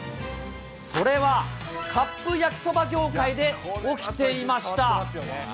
それは、カップ焼きそば業界で起きていました。